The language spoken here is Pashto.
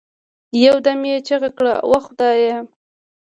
يو دم يې چيغه كړه وه خدايه!